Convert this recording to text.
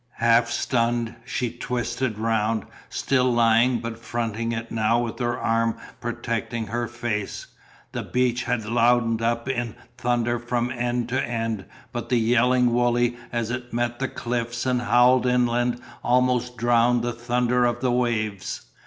Half stunned, she twisted round, still lying but fronting it now with her arm protecting her face. The beach had loudened up in thunder from end to end but the yelling Wooley as it met the cliffs and howled inland almost drowned the thunder of the waves.